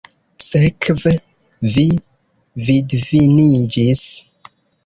Sekve vi vidviniĝis!